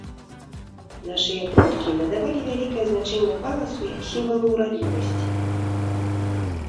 Нашыя продкі надавалі вялікае значэнне фаласу як сімвалу ўрадлівасці.